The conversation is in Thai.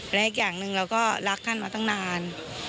และอีกอย่างหนึ่งเราก็รักท่านมาตั้งนาน